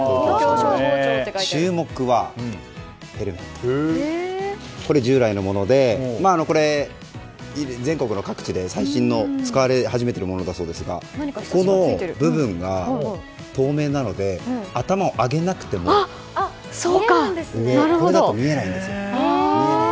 注目は、これは従来のものでこれ、全国の各地で最新の使われ始めているものですがこの部分が透明なので頭を上げなくても見えるんです。